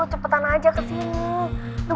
cepetan aja kesini